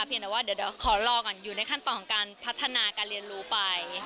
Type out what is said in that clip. เพียงแต่ว่าเดี๋ยวขอรอก่อนอยู่ในขั้นตอนของการพัฒนาการเรียนรู้ไป